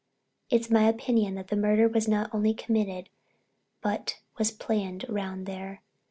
It's my opinion that the murder was not only committed but was planned round there.